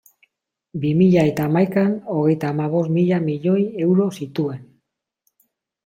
Bi mila eta hamaikan, hogeita hamabost mila milioi euro zituen.